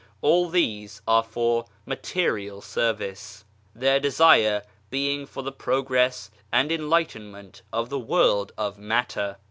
All these are for material service, their desire being for the progress and enlightenment of the world of matter.